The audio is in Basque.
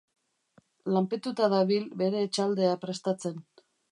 Lanpetuta dabil bere etxaldea prestatzen.